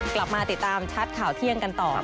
กลับมาติดตามชัดข่าวเที่ยงกันต่อ